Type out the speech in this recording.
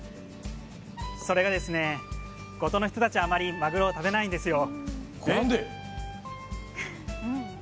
それが五島の人たちはあまりマグロを食べないんですよ。